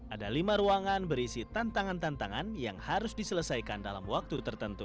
ada lima ruangan berisi tantangan tantangan yang harus diselesaikan dalam waktu tertentu